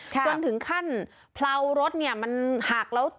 จนถึงขั้นเผารถเนี่ยมันหักแล้ว